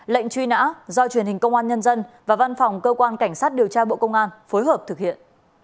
lệnh truy nã do truyền hình công an nhân dân và văn phòng cơ quan cảnh sát điều tra bộ công an phối hợp thực hiện